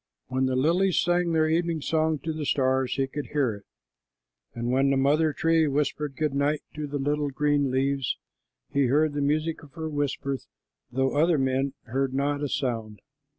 When the lilies sang their evening song to the stars, he could hear it, and when the mother tree whispered "Good night" to the little green leaves, he heard the music of her whisper, though other men heard not a sound.